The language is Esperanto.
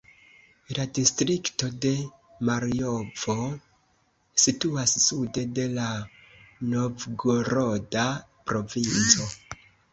La distrikto de Marjovo situas sude de la Novgoroda provinco.